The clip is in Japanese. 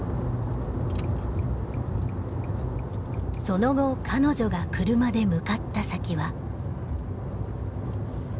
その後彼女が車で向かった先は。